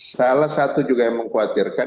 salah satu juga yang mengkhawatirkan